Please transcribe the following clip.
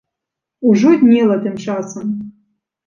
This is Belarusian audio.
Ужо днела тым часам.